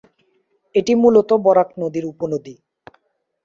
এটি মুলত বরাক নদীর উপনদী।